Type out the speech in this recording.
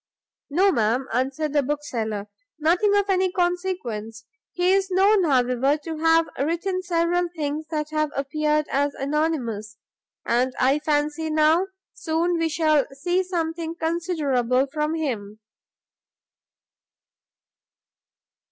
"No, ma'am," answered the Bookseller, "nothing of any consequence; he is known, however, to have written several things that have appeared as anonymous; and I fancy, now, soon, we shall see something considerable from him."